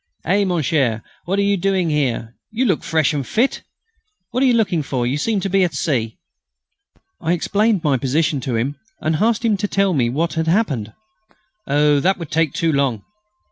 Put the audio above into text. "Eh, mon cher! What are you doing here? You look fresh and fit!... What are you looking for? You seem to be at sea." I explained my position to him, and asked him to tell me what had happened. "Oh! that would take too long.